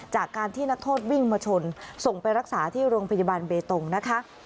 จากการที่นักโทษวิ่งมาชนส่งไปรักษาที่โรงพยาบาลเบตงนะคะ